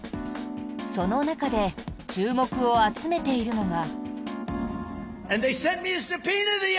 その中で注目を集めているのが。